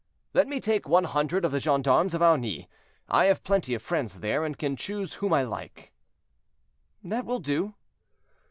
"Let me take one hundred of the gendarmes of Aunis; I have plenty of friends there, and can choose whom I like." "That will do."